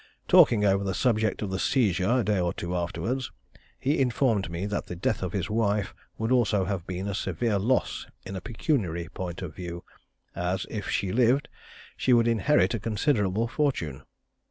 Talking over the subject of the seizure a day or two afterwards, he informed me that the death of his wife would also have been a severe loss in a pecuniary point of view, as if she lived she would inherit a considerable fortune.